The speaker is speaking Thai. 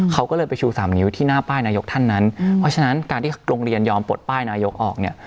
เขาก็เลยไปชูสามนิ้วที่หน้าป้ายนายกท่านนั้นเพราะฉะนั้นการที่โรงเรียนยอมปลดป้ายนายกออกเนี่ย